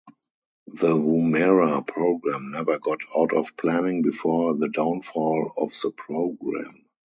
The Woomera program never got out of planning before the downfall of the program.